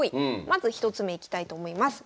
まず１つ目いきたいと思います。